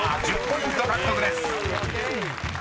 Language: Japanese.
１０ポイント獲得です］